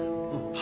は？